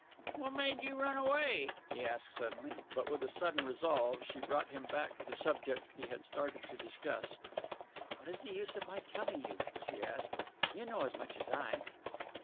"What made you run away?" he asked suddenly; but with a sudden resolve she brought him back to the subject he had started to discuss. "What is the use of my telling you?" she asked. "You know as much as I."